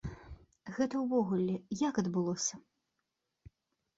Гэта ўвогуле як адбылося?